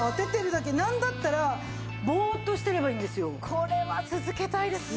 これは続けたいですね。